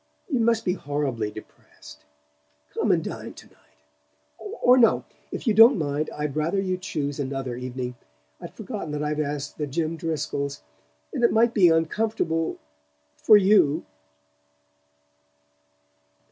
You must be horribly depressed. Come and dine to night or no, if you don't mind I'd rather you chose another evening. I'd forgotten that I'd asked the Jim Driscolls, and it might be uncomfortable for YOU...."